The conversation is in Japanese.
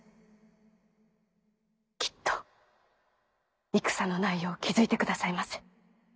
きっと戦のない世を築いてくださいませ。